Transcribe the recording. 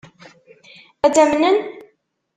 Ad tt-amnen?